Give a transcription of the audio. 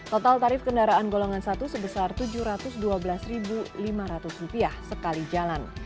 total tarif kendaraan golongan satu sebesar rp tujuh ratus dua belas lima ratus sekali jalan